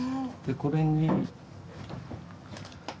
でこれに。